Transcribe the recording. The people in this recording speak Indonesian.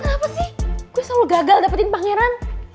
kenapa sih gue selalu gagal dapetin pangeran